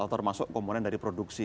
termasuk komponen dari produksi